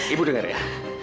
ibu dengar ya